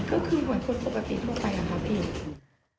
ก็คือห่วงคนปกติทั่วไปล่ะครับพี่